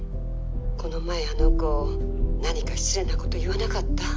この前あの子何か失礼なこと言わなかった？